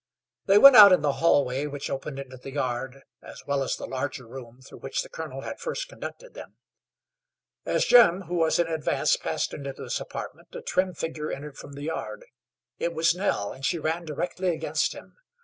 They went out in the hallway which opened into the yard as well as the larger room through which the colonel had first conducted them. As Jim, who was in advance, passed into this apartment a trim figure entered from the yard. It was Nell, and she ran directly against him.